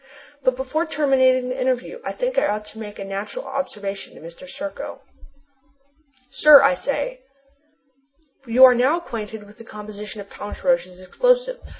But before terminating the interview I think I ought to make a very natural observation to Mr. Serko. "Sir," I say, "you are now acquainted with the composition of Thomas Roch's explosive.